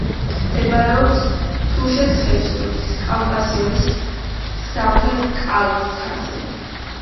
მდებარეობს თუშეთ-ხევსურეთის კავკასიონის სამხრეთ კალთაზე.